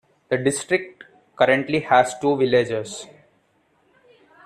The district currently has two villages.